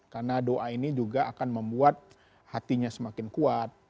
karena doa ini juga akan membuat hatinya semakin kuat